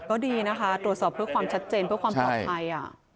ก็ดีนะคะตรวจสอบเพื่อความชัดเจนเพื่อความปลอดภัย